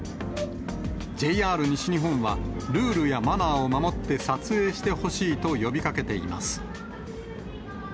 ＪＲ西日本は、ルールやマナーを守って撮影してほしいと呼びかけています。